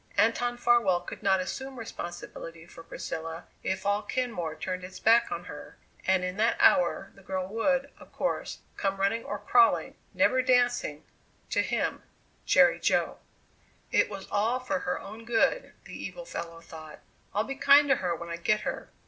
Anton Farwell could not assume responsibility for Priscilla if all Kenmore turned its back on her, and in that hour the girl would, of course, come running or crawling never dancing to him, Jerry Jo! It was all for her own good, the evil fellow thought. "I'll be kind to her when I get her.